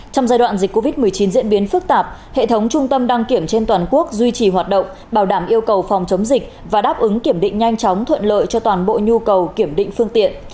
trong giai đoạn dịch covid một mươi chín diễn biến phức tạp hệ thống trung tâm đăng kiểm trên toàn quốc duy trì hoạt động bảo đảm yêu cầu phòng chống dịch và đáp ứng kiểm định nhanh chóng thuận lợi cho toàn bộ nhu cầu kiểm định phương tiện